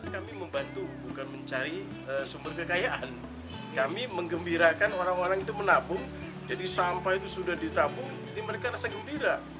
kami membantu bukan mencari sumber kekayaan kami mengembirakan orang orang itu menabung jadi sampah itu sudah ditabung jadi mereka rasa gembira